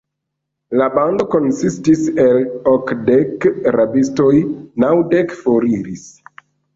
La bando konsistis el okdek rabistoj; naŭdek foriris!